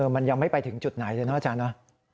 มันยังไม่ไปถึงจุดไหนเลยนะอาจารย์เนอะ